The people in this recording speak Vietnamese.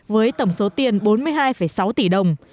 với tổng số tiền bốn mươi hai sáu tỷ đồng